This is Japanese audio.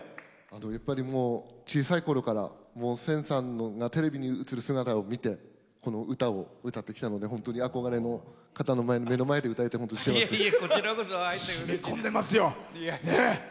やっぱり小さいころから千さんがテレビに映るのを見てこの歌を歌ってきたので本当に憧れの方の目の前で歌えて本当に幸せです。